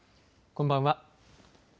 こんばんは。